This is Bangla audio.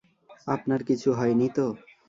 আপনার কিছু হয়নি তো?